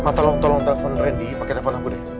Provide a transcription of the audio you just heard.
ma tolong tolong telepon randy pake telepon aku deh